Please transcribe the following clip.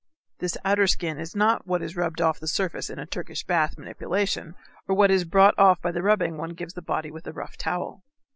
This outer skin is not what is rubbed off the surface in a Turkish bath manipulation or what is brought off by the rubbing one gives the body with a rough towel.